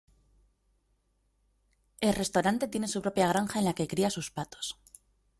El restaurante tiene su propia granja en la que cría sus patos.